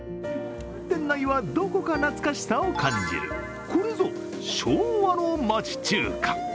店内はどこか懐かしさを感じる、これぞ昭和の町中華。